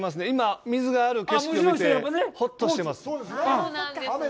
今、水がある景色を見てホッとしています。